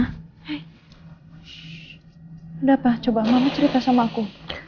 ada apa coba mama cerita sama aku